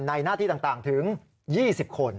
ในหน้าตีต่างถึง๒๐คน